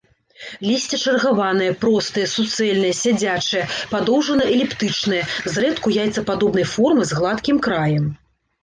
Лісце чаргаванае, простае, суцэльнае, сядзячае, падоўжана-эліптычнае, зрэдку яйцападобнай формы, з гладкім краем.